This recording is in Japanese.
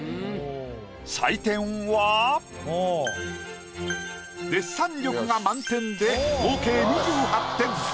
採点はデッサン力が満点で合計２８点。